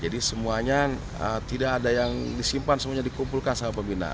jadi semuanya tidak ada yang disimpan semuanya dikumpulkan sama pembina